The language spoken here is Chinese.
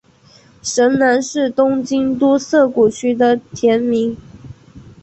神南是东京都涩谷区的町名。